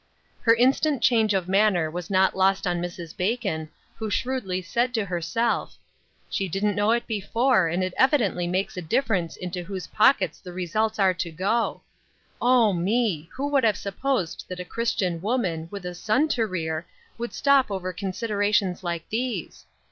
Her instant change of manner was not lost on Mrs. Bacon, who shrewdly said to her self :" She didn't know it before, and it evidently " W. C. T. U. 127 makes a difference into whose pockets the results are to go. O, me ! who would have supposed that a Christian woman, with a son to rear, could stop over considerations like these."